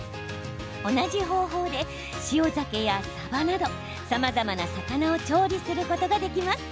同じ方法で塩ざけや、さばなどさまざまな魚を調理することができます。